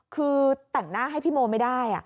คือแต่งหน้าให้พี่โมไม่ได้